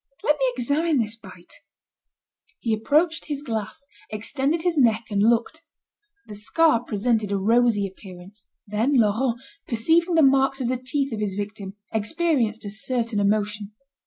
Let me examine this bite." He approached his glass, extended his neck and looked. The scar presented a rosy appearance. Then, Laurent, perceiving the marks of the teeth of his victim, experienced a certain emotion.